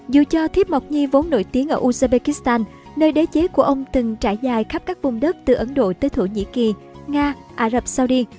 dù cho thiếp mộc nhi vốn nổi tiếng ở uzbekistan nơi đế chế của ông từng trải dài khắp các vùng đất từ ấn độ tới thổ nhĩ kỳ nga ả rập saudi